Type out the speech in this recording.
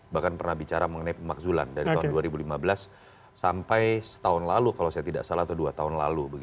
bahkan pernah bicara mengenai pemakzulan dari tahun dua ribu lima belas sampai setahun lalu kalau saya tidak salah atau dua tahun lalu